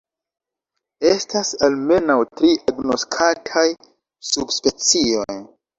Estas almenaŭ tri agnoskataj subspecioj.